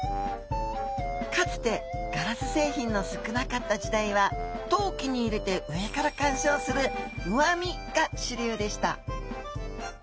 かつてガラス製品の少なかった時代は陶器に入れて上から観賞する上見が主流でした。